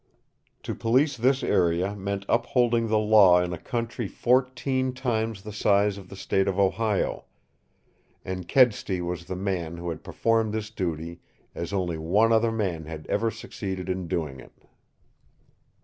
To police this area meant upholding the law in a country fourteen times the size of the state of Ohio. And Kedsty was the man who had performed this duty as only one other man had ever succeeded in doing it.